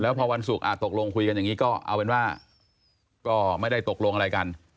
พอวันศุกร์ตกลงคุยกันอย่างนี้ก็เอาเป็นว่าก็ไม่ได้ตกลงอะไรกัน